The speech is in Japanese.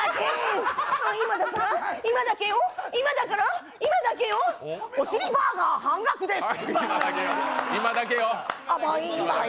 今だけよ、今だから、今だけよ、お尻バーガー半額です！